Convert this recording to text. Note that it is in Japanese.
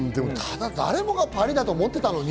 誰もがパリだと思っていたのに。